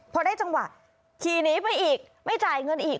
พอได้จังหวะขี่หนีไปอีกไม่จ่ายเงินอีก